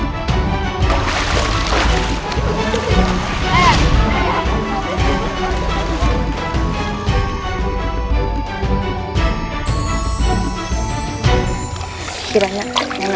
tidak ada yang bisa diberikan kebenaran